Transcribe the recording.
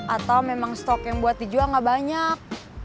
atau memang stok yang buat dijual gak banyak